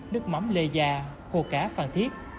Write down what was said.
nước mắm lê gia khô cá phan thiết